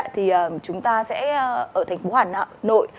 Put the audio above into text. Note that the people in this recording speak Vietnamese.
thì chúng ta sẽ ở thành phố hà nội